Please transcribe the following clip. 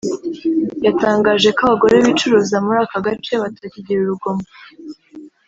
yatangaje ko abagore bicuruza muri aka gace batakigira urugomo